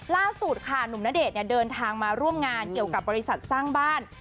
ล่าสุดค่ะหนุ่มณเดชน์เดินทางมาร่วมงานเกี่ยวกับบริษัทสร้างบ้าน